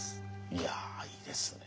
いやいいですね。